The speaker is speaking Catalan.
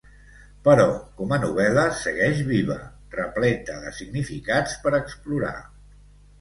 Però com a novel·la segueix viva, repleta de significats per explorar.